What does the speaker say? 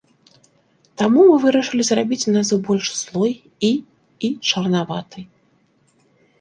Таму мы вырашылі зрабіць назву больш злой і і чарнаватай.